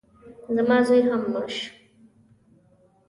زما زوی خو هم مړ شو.